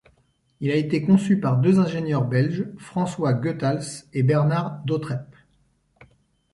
Il a été conçu par deux ingénieurs belges, François Goethals et Bernard d'Otreppe.